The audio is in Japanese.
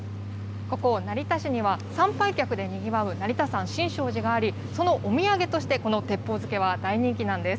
ここ、成田市には参拝客でにぎわう成田山新勝寺があり、そのお土産として、この鉄砲漬は大人気なんです。